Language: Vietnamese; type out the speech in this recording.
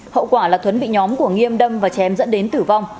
hậu quả là thuấn bị nhóm của nghiêm đâm và chém dẫn đến tử vong